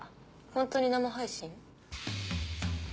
本当に生配信？